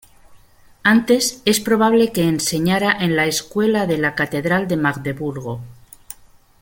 Antes, es probable que enseñara en la escuela de la catedral de Magdeburgo.